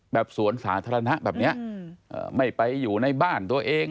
สวนสาธารณะแบบนี้ไม่ไปอยู่ในบ้านตัวเอง